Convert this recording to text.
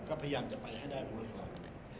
ก็พยายามจะไปให้ได้เร็วก่อน